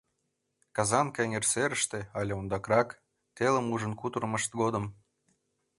Казанка эҥер серыште але ондакрак, телым ужын кутырымышт годым...